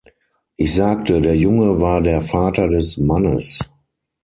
Ich sagte, der Junge war der Vater des Mannes.